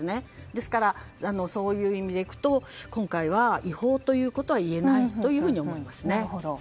ですからそういう意味でいくと今回は違法ということは言えないと思いますね。